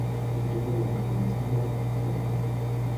Tito wurde in Queens, New York, geboren.